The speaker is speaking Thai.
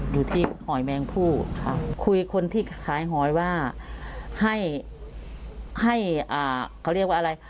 อยู่ที่หอยแมงผู้คุยคนที่ขายหอยว่าให้ให้เขาเรียกว่าอะไร